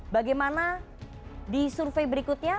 bagaimana di survei berikutnya